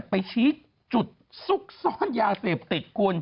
ไปชี้จุดซุกซ่อนยาเสพติดคุณ